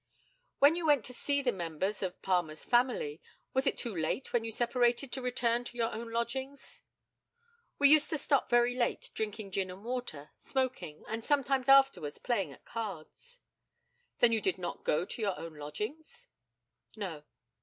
When you went to see the members of Palmer's family, was it too late when you separated to return to your own lodgings? We used to stop very late drinking gin and water, smoking, and sometimes afterwards playing at cards. Then you did not go to your own lodgings? No.